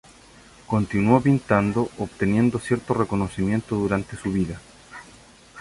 Continuó pintando, obteniendo cierto reconocimiento durante su vida.